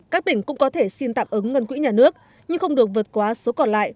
các tỉnh cũng có thể xin tạm ứng ngân quỹ nhà nước nhưng không được vượt qua số còn lại